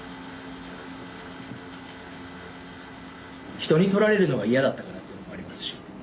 人に取られるのが嫌だったからっていうのもありますし。